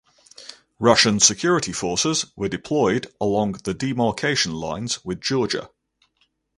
Russian security forces were deployed along the demarcation lines with Georgia.